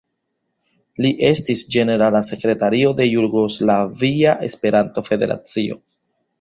Li estis ĝenerala sekretario de Jugoslavia Esperanto-Federacio.